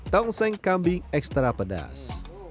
tong seng kambing ekstra pedas